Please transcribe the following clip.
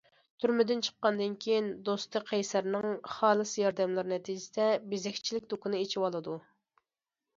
تۈرمىدىن چىققاندىن كېيىن، دوستى قەيسەرنىڭ خالىس ياردەملىرى نەتىجىسىدە، بېزەكچىلىك دۇكىنى ئېچىۋالىدۇ.